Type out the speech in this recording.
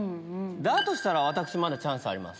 だとしたら私まだチャンスあります。